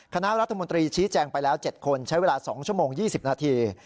คณะรัฐมนตรีชี้แจงไปแล้ว๗คนใช้เวลา๒ชั่วโมง๒๐นาที